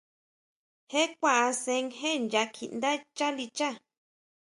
Je kuan asén je nya kjiʼndá chalicha.